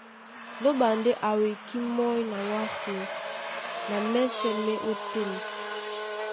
Lóɓa ndé a wekí mɔ́ny na wásē na mɛ́sɛ̄ má e ótên.